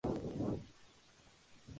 Habita en el este de Europa.